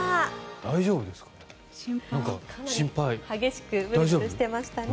大丈夫ですかね。